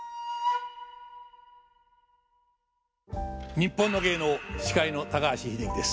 「にっぽんの芸能」司会の高橋英樹です。